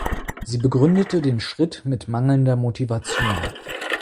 Sie begründete den Schritt mit mangelnder Motivation.